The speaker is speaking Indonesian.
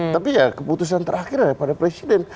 tapi ya keputusan terakhir adalah pada presiden